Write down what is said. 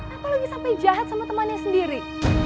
apalagi sampai jahat sama temannya sendiri